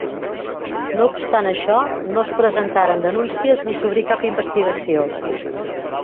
No obstant això, no es presentaren denúncies ni s'obrí cap investigació.